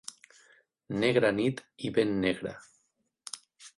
Negra nit i ben negra.